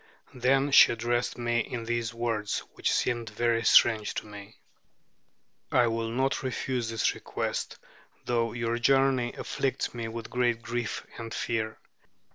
Then she addressed me in these words, which seemed very strange to me: "I will not refuse this request, though your journey afflicts me with great grief and fear.